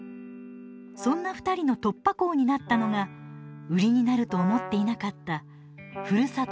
そんな２人の突破口になったのが売りになると思っていなかったふるさと